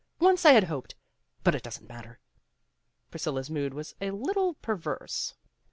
Once I had hoped but it doesn't matter." Priscilla 's mood was a little perverse.